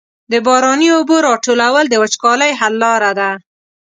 د باراني اوبو راټولول د وچکالۍ حل لاره ده.